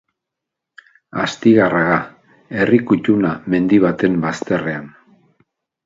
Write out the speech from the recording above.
Astigarraga, herri kutuna mendi baten bazterrean.